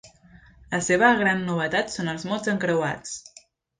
La seva gran novetat són els mots encreuats.